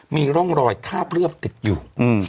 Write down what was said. มีร่องรอยคาบเลือดติดอยู่